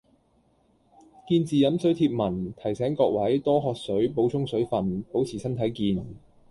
「見字飲水」貼文，提醒各位多喝水補充水份，保持身體健